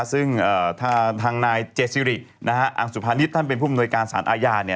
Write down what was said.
ซึ่งทางนายเจซิริอังสุภานิษฐ์ท่านเป็นผู้มนวยการสารอาญา